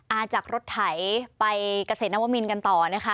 จากรถไถไปเกษตรนวมินกันต่อนะคะ